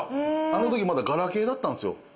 あのときまだガラケーだったんですよ。